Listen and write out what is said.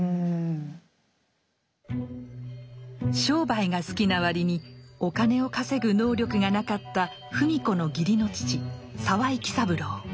商売が好きな割にお金を稼ぐ能力がなかった芙美子の義理の父沢井喜三郎。